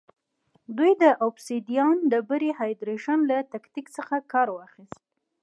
دوی د اوبسیدیان ډبرې هایدرېشن له تکتیک څخه کار واخیست